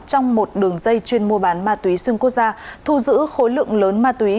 trong một đường dây chuyên mua bán ma túy xuyên quốc gia thu giữ khối lượng lớn ma túy